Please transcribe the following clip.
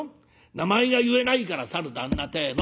名前が言えないから『さる旦那』てえの」。